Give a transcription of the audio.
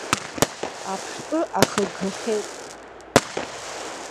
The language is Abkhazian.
Аԥштәы ахыггахьеит.